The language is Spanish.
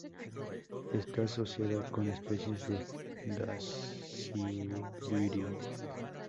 Está asociada con especies de "Dasylirion".